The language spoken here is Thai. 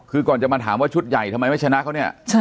คือก่อนจะมาถามว่าชุดใหญ่ทำไมไม่ชนะเขาเนี่ย